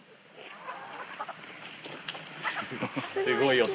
すごい。